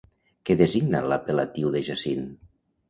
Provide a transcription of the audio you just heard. Què designa l'apel·latiu de Jacint?